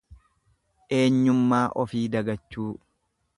Eenyummaa ofii dagachuu.